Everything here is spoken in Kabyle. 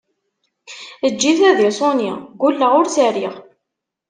Eǧǧ-it ad iṣuni, ggulleɣ ur s-rriɣ!